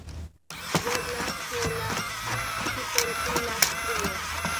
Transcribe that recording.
Videblas hela superokula strio.